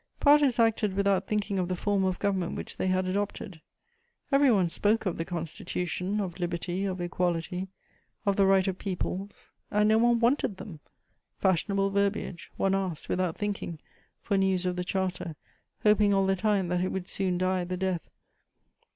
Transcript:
Parties acted without thinking of the form of government which they had adopted; every one spoke of the Constitution, of liberty, of equality, of the right of peoples, and no one wanted them; fashionable verbiage: one asked, without thinking, for news of the Charter, hoping all the time that it would soon die the death.